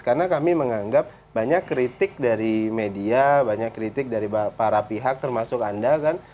karena kami menganggap banyak kritik dari media banyak kritik dari para pihak termasuk anda kan